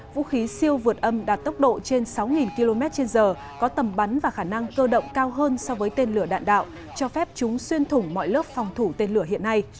vũ khí siêu vượt âm đạt tốc độ trên sáu km trên giờ có tầm bắn và khả năng cơ động cao hơn so với tên lửa đạn đạo cho phép chúng xuyên thủng mọi lớp phòng thủ tên lửa hiện nay